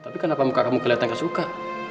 tapi kenapa muka kamu kelihatan gak suka